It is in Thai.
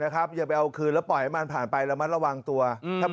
เชื้อไรเจอร์หรอก็